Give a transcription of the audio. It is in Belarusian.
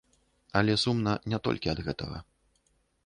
Але сумна не толькі ад гэтага.